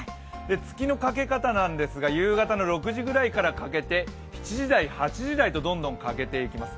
月の欠け方なんですが夕方の６時ぐらいから欠けて７時台、８時台とどんどん欠けていきます。